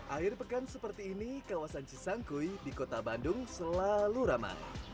akhir pekan seperti ini kawasan cisangkui di kota bandung selalu ramai